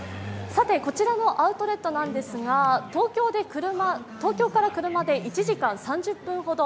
こちらのアウトレットなんですが東京から車で１時間３０分ほど。